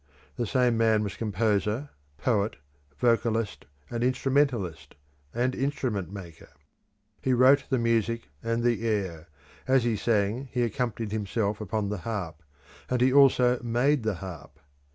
The same man was composer, poet, vocalist, and instrumentalist, and instrument maker. He wrote the music and the air; as he sang he accompanied himself upon the harp, and he also made the harp.